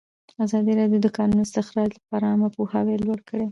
ازادي راډیو د د کانونو استخراج لپاره عامه پوهاوي لوړ کړی.